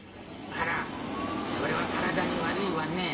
あらそれは体に悪いわね。